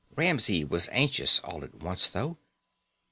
Ramsey was anxious all at once, though.